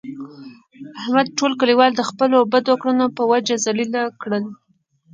احمد ټول کلیوال د خپلو بدو کړنو په وجه ذلیله کړل.